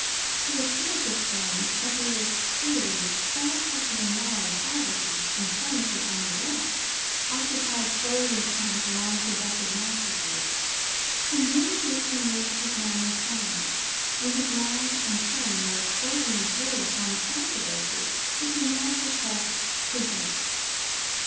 He assured his friends that he was truly far happier now, in poverty, infirmity and neglect, occupied solely upon his long projected masterpiece, than during the eighteen years of his manly prime, when his mind and pen were solely employed upon the controversies which he now professed to hate.